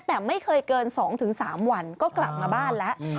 แต่ไม่เคยเกิน๒๓วันก็กลับมาบ้านแล้ว